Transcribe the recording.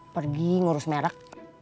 pergi ngurus merek